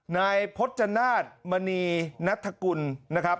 นายพจนาฏมณีนัทธกุลนะครับ